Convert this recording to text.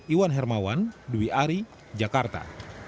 iwan hermawan dwi ari jakarta